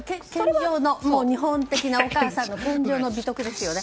日本的なお母さんの美徳ですよね。